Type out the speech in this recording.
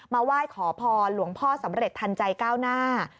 มาไหว้ขอพรหลวงพ่อสำเร็จทันใจก้าวหน้า